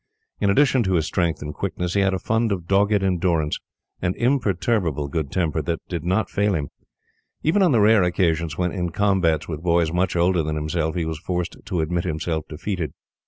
In addition to his strength and quickness, he had a fund of dogged endurance, and imperturbable good temper, that did not fail him; even on the rare occasions when, in combats with boys much older than himself, he was forced to admit himself defeated.